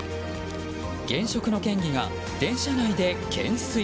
現職の県議が電車内で懸垂。